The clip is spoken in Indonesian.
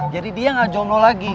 jadi dia ga jomblo lagi